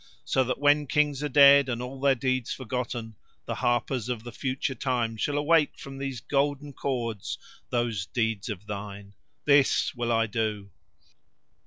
So that when Kings are dead and all their deeds forgotten the harpers of the future time shall awake from these golden chords those deeds of thine. This will I do."